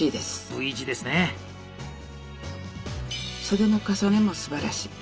袖の重ねもすばらしい。